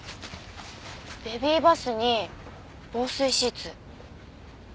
ベビーバスに防水シーツ。